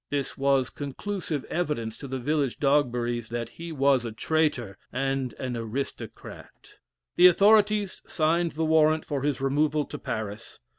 This was conclusive evidence to the village Dogberries that he was a traitor and an aristocrat. The authorities signed the warrant for his removal to Paris.